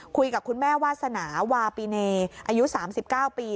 คุยกับคุณแม่วาสนาวาปีเนอายุ๓๙ปี